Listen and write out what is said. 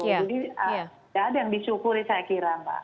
jadi tidak ada yang disyukuri saya kira mbak